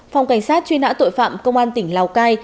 phòng cảnh sát truy nã tội phạm công an tỉnh lào cai